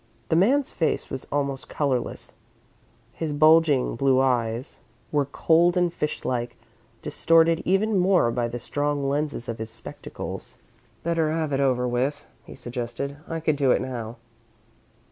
The man's face was almost colourless, his bulging blue eyes were cold and fish like, distorted even more by the strong lenses of his spectacles. "Better have it over with," he suggested. "I can do it now."